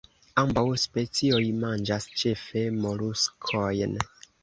Ambaŭ specioj manĝas ĉefe moluskojn.